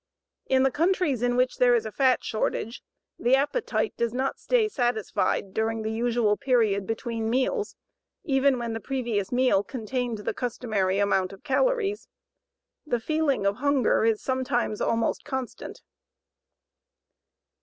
In the countries in which there is a fat shortage, the appetite does not stay satisfied during the usual period between meals, even when the previous meal contained the customary amount of calories. The feeling of hunger is sometimes almost constant.